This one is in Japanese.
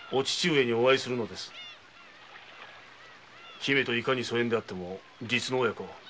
姫といかに疎遠であっても実の親子。